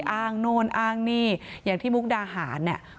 อ้างโน่นอ้างนี่อย่างที่มุกดาหารเนี่ย